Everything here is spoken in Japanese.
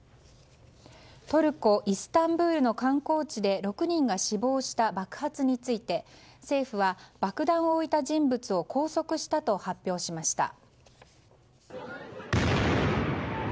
トルコ・イスタンブールの観光地で６人が死亡した爆発について政府は爆弾を置いた人物を拘束したと発表しました。